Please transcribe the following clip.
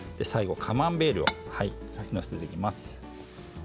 カマンベールを載せていきます。